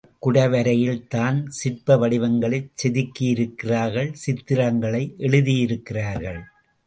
அக்குடவரையில் தான் சிற்ப வடிவங்களைச் செதுக்கியிருக்கிறார்கள் சித்திரங்களை எழுதியிருக்கிறார்கள்.